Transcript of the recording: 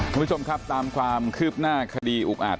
คุณผู้ชมครับตามความคืบหน้าคดีอุกอาจ